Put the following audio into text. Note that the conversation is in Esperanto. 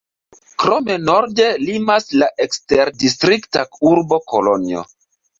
Krome norde limas la eksterdistrikta urbo Kolonjo.